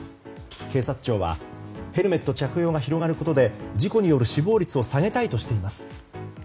警察庁はヘルメット着用が広がることで事故による死亡率を下げたいとしています。